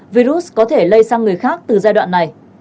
virus có thể lây sang người khác từ giai đoạn này